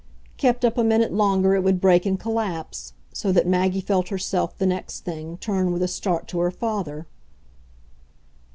Kept up a minute longer it would break and collapse so that Maggie felt herself, the next thing, turn with a start to her father.